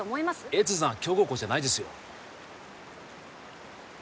越山は強豪校じゃないですよ